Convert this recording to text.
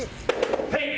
はい。